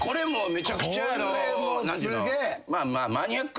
めちゃくちゃ。